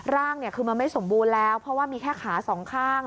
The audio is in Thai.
ร่างคือมันไม่สมบูรณ์แล้วเพราะว่ามีแค่ขาสองข้าง